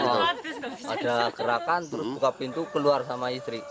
ada gerakan terus buka pintu keluar sama istri